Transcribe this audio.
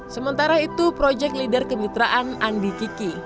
sementara itu proyek leader kemitraan andi kiki